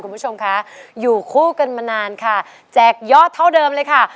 คุณผู้ชมคะอยู่คู่กันมานานค่ะแจกยอดเท่าเดิมเลยค่ะ